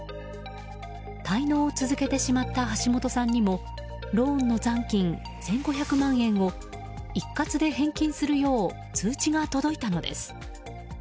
滞納を続けてしまった橋本さんにもローンの残金１５００万円を一括で返金するよう通知が届いたのです。